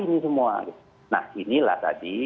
nah inilah tadi